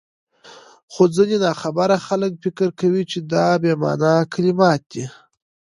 خو ځيني ناخبره خلک فکر کوي چي دا بې مانا کلمات دي،